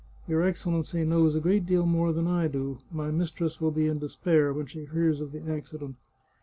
Your Excellency knows a great deal more than I do; my mistress will be in despair when she hears of the accident.